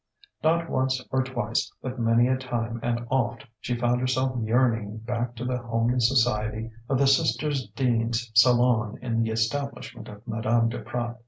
Not once or twice but many a time and oft she found herself yearning back to the homely society of the Sisters Dean's salon in the establishment of Madame Duprat.